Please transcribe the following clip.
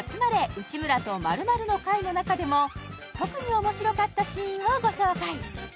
内村と○○の会」の中でも特に面白かったシーンをご紹介